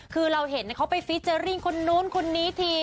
คือเราเห็นเขาไปฟิเจอร์ริ่งคนนู้นคนนี้ที